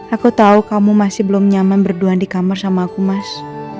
aku tahu kamu masih belum nyaman berduaan di kamar sama aku mas